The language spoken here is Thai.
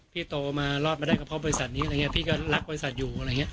โตมารอดมาได้ก็เพราะบริษัทนี้อะไรอย่างนี้พี่ก็รักบริษัทอยู่อะไรอย่างนี้